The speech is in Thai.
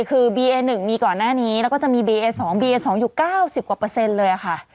คือบีเอหนึ่งมีก่อนหน้านี้แล้วก็จะมีบีเอสองบีเอสองอยู่เก้าสิบกว่าเปอร์เซ็นต์เลยค่ะ